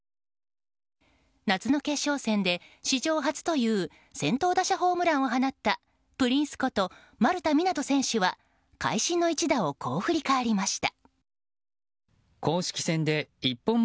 夏の決勝戦で史上初という先頭打者ホームランを放ったプリンスこと丸田湊斗選手は会心の一打をこう振り返りました。